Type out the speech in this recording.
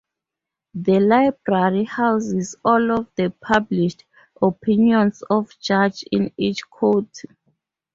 The Library houses all of the published opinions of judges in each county.